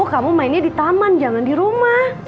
kamu mainnya di taman jangan di rumah